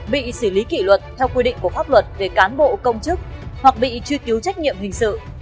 bị xử lý kỷ luật theo quy định của pháp luật về cán bộ công chức hoặc bị truy cứu trách nhiệm hình sự